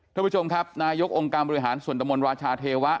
ท่านผู้ชมครับนายกองค์การบริหารส่วนตะมนตราชาเทวะ